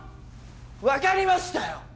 分かりましたよ！